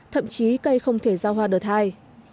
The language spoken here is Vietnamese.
thậm chí cây không thể giao hoa đợt hai